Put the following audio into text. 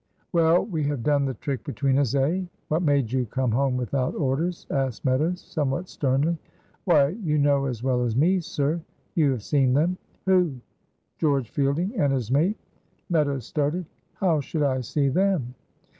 "Well, we have done the trick between us, eh?" "What made you come home without orders?" asked Meadows, somewhat sternly. "Why, you know as well as me, sir; you have seen them?" "Who?" "George Fielding and his mate." Meadows started. "How should I see them?"